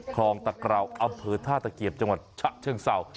คลองตะกราวอำเภอท่าตะเกียบจังหวัดชะเชิงเศร้า